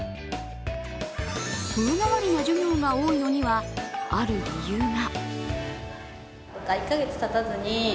風変わりな授業が多いのにはある理由が。